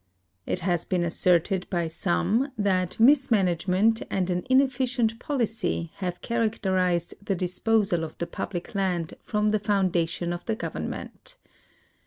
It has been asserted by some that mismanagement and an ineflicient policy have characterized the disposal of the public land from the foundation of the gOA'ern ment.